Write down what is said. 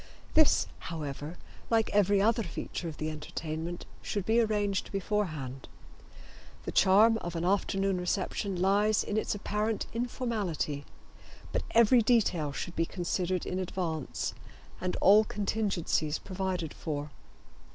This, however, like every other feature of the entertainment, should be arranged beforehand. The charm of an afternoon reception lies in its apparent informality, but every detail should be considered in advance and all contingencies provided for.